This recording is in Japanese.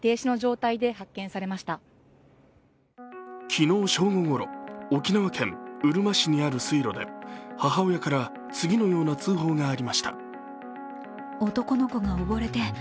昨日正午ごろ、沖縄県うるま市にある水路で母親から次のような通報がありました。